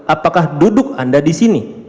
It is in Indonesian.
apakah duduk anda di sini